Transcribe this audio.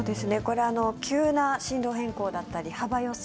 急な進路変更だったり幅寄せ